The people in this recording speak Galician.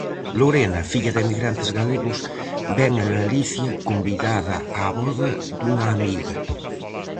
Lorena, filla de emigrantes galegos, vén a Galicia, convidada á voda dunha amiga.